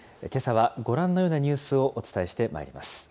けさはご覧のようなニュースをお伝えしてまいります。